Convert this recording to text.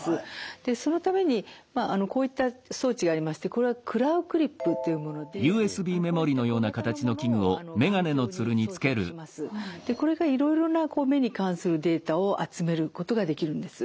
でそのためにこういった装置がありましてこれはこれがいろいろな目に関するデータを集めることができるんです。